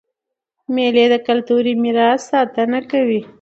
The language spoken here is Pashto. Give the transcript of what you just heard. مېلې د کلتوري میراث ساتنه کوي.